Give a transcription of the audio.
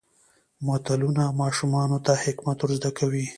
متلونه ماشومانو ته حکمت ور زده کوي.